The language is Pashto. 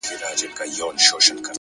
قوي اراده ستړې لارې اسانه کوي!